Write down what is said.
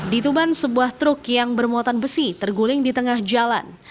di tuban sebuah truk yang bermuatan besi terguling di tengah jalan